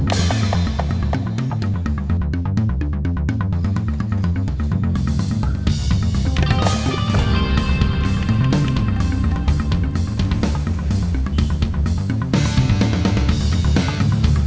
jadi kamu luarat